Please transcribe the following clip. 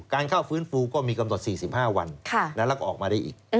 การเข้าฟื้นฟูก็มีกำหนด๔๕วันแล้วก็ออกมาได้อีก